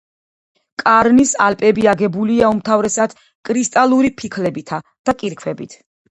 კარნის ალპები აგებულია უმთავრესად კრისტალური ფიქლებითა და კირქვებით.